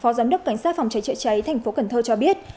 phó giám đốc cảnh sát phòng cháy chữa cháy thành phố cần thơ cho biết